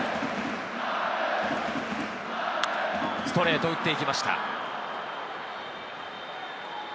ストレート、打っていきました。